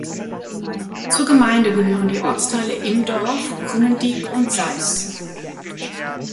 Zur Gemeinde gehören die Ortsteile Im Dorf, Krummendiek und Seis.